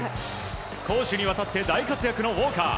攻守にわたって大活躍のウォーカー。